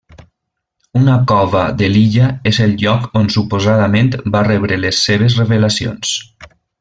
Una cova de l'illa és el lloc on suposadament va rebre les seves revelacions.